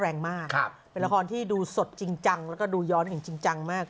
แรงมากเป็นละครที่ดูสดจริงจังแล้วก็ดูย้อนอย่างจริงจังมาก